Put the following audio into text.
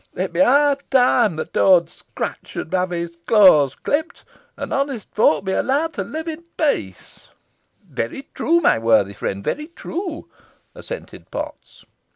It be high time that Owd Scrat should ha' his claws clipt, an honest folk be allowed to live in peace." "Very true, my worthy friend very true," assented Potts.